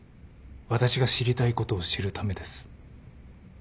「私が知りたいことを知るためです」